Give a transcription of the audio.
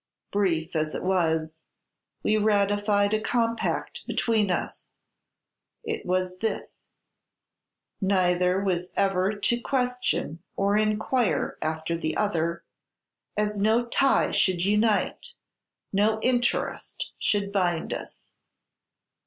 Brief as it was, we ratified a compact between us: it was this, neither was ever to question or inquire after the other, as no tie should unite, no interest should bind us.